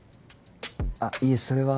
あっいえそれは。